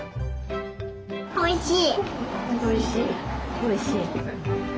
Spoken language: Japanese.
おいしい。